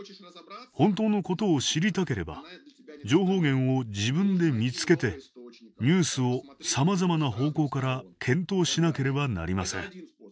本当のことを知りたければ情報源を自分で見つけてニュースをさまざまな方向から検討しなければなりません。